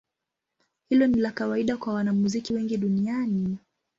Hilo ni la kawaida kwa wanamuziki wengi duniani.